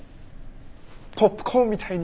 ポップコーンみたいに。